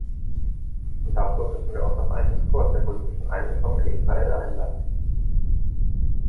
Und dazu müssen wir uns auf einen Diskurs der politischen Einmischung in Israel einlassen.